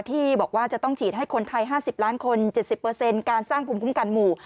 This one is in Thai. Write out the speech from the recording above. ที่บอกว่าจะต้องฉีดให้คนไทย๕๐ล้านคน๗๐การสร้างภูมิคุ้มกันหมู่